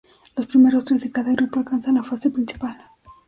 Los primeros tres de cada grupo alcanzan la fase principal.